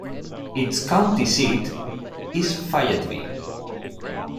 Its county seat is Fayetteville.